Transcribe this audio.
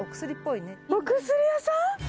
お薬屋さん？